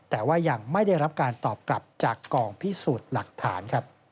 แต่ว่ายังไม่ได้รับการตอบกลับจากกองพิสูจน์หลักฐานครับ